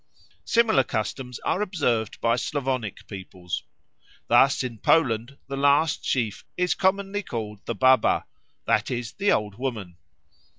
Similar customs are observed by Slavonic peoples. Thus in Poland the last sheaf is commonly called the Baba, that is, the Old Woman.